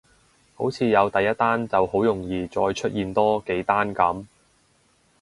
好似有第一單就好容易再出現多幾單噉